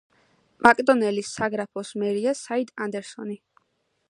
მაკდონელის საგრაფოს მერია სიდ ანდერსონი.